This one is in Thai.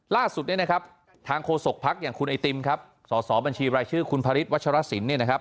ล่าสุดเนี่ยนะครับทางโฆษกภักดิ์อย่างคุณไอติมครับสอสอบัญชีรายชื่อคุณพระฤทธวัชรสินเนี่ยนะครับ